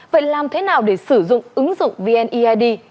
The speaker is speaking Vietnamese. vậy làm thế nào để sử dụng ứng dụng vneid